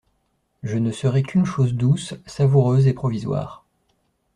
Je ne serai qu'une chose douce, savoureuse et provisoire.